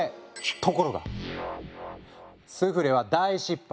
ところがスフレは大失敗。